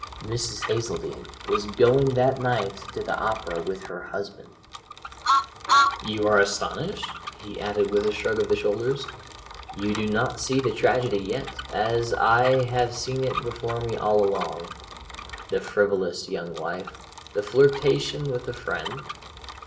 Mrs. Hazeldene was going that night to the opera with her husband "You are astonished?" he added with a shrug of the shoulders, "you do not see the tragedy yet, as I have seen it before me all along. The frivolous young wife, the flirtation with the friend?